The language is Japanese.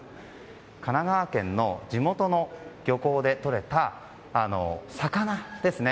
神奈川県の地元の漁港でとれた魚ですね。